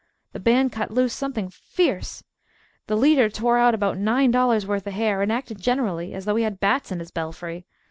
The band cut loose something fierce. The leader tore out about $9.00 worth of hair, and acted generally as though he had bats in his belfry.